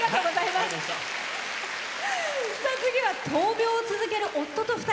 次は闘病を続ける夫と２人。